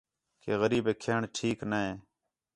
کہ غریبیک کھیݨ ٹھیک تے